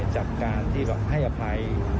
จากการที่ให้อภัย